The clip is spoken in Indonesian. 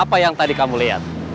apa yang tadi kamu lihat